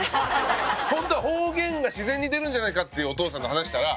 ホントは方言が自然に出るんじゃないかってお父さんと話したら。